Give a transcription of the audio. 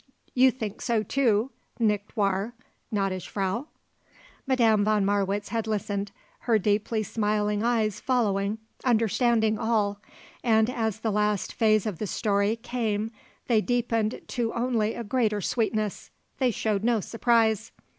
You think so, too, nicht wahr, gnädige Frau?" Madame von Marwitz had listened, her deeply smiling eyes following, understanding all; and as the last phase of the story came they deepened to only a greater sweetness. They showed no surprise.